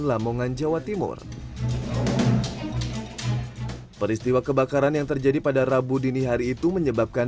lamongan jawa timur peristiwa kebakaran yang terjadi pada rabu dini hari itu menyebabkan